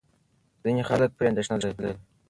ځینې خلک پرې اندېښنه لري.